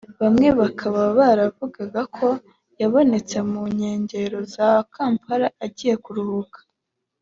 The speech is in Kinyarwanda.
bamwe bakaba baravugaga ko yabonetse mu nkengero za Kampala agiye kuruhuka